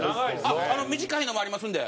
短いのもありますんで。